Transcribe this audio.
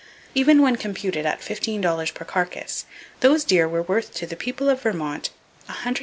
Even when computed at fifteen dollars per carcass, those deer were worth to the people of Vermont $107,790.